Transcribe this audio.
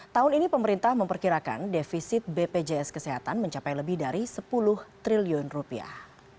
tahun ini pemerintah memperkirakan defisit bpjs kesehatan mencapai lebih dari sepuluh triliun rupiah